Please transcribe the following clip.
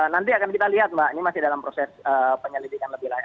nanti akan kita lihat mbak ini masih dalam proses penyelidikan lebih lanjut